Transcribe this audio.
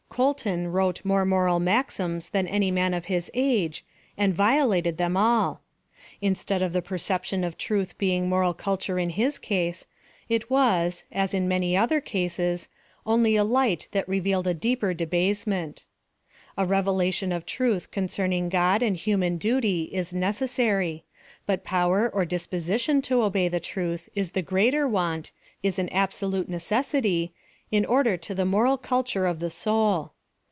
Colton wrote more moral maxims than any man of his afije, and violated them all. Instead of the perception of trutli being moral culture in liis case, 274 PHILOSOPHY OF THE it was, as in many other cases, only a light thai revealed a deeper debasement. A revelation of truth concerning God and human duty ^s necessary; but power or disposition to obey the truth is the greater want — is an absolute necessity — in order to the moral culture of the soul.